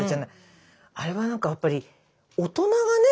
あれは何かやっぱり大人がね